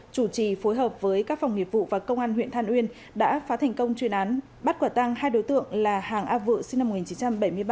chủ trì phối hợp với các phòng nghiệp vụ và công an huyện than uyên đã phá thành công chuyên án bắt quả tăng hai đối tượng là hàng a vự sinh năm một nghìn chín trăm bảy mươi ba